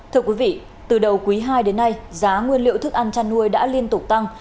thưa quý vị từ đầu quý ii đến nay giá nguyên liệu thức ăn chăn nuôi đã liên tục tăng